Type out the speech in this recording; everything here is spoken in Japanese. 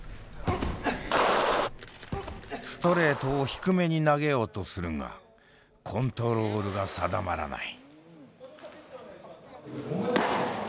ストレートを低めに投げようとするがコントロールが定まらない。